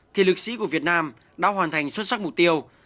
thì liệt sĩ của việt nam đã hoàn thành xuất sắc mục tiêu